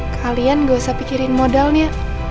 kalian gak usah pikirin modalnya